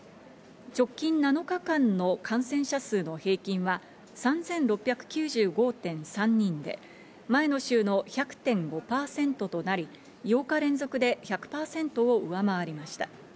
直近７日間の感染者数の平均は３６９５．３人で前の週の１００．５％となり、８日連続で１００％を上回りました。